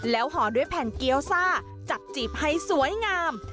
แล้วห่อด้วยแผ่นเกี้ยวซ่าจับจีบให้สวยงาม